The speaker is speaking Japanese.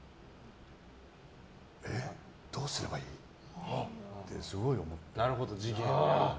えっ、どうすればいい？ってすごい思って。